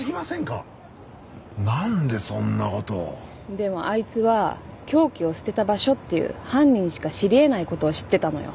でもあいつは凶器を捨てた場所っていう犯人しか知り得ない事を知ってたのよ。